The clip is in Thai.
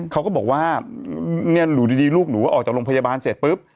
เขาก็บอกว่าหลู่ดีลูกหนูออกจากโรงพยาบาลเสร็จปุ๊บ